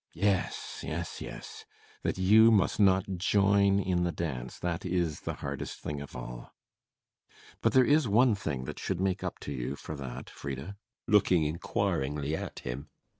] Yes, yes, yes. That you must not join in the dance, that is the hardest thing of all. [Stopping.] But there is one thing that should make up to you for that, Frida. FRIDA. [Looking inquiringly at him.